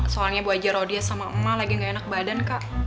soalnya buat aja raudia sama emak lagi gak enak badan kak